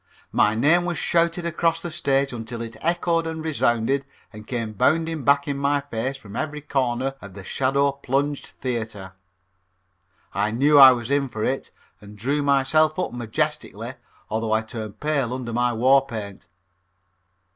My name was shouted across the stage until it echoed and resounded and came bounding back in my face from every corner of the shadow plunged theater. I knew I was in for it and drew myself up majestically although I turned pale under my war paint.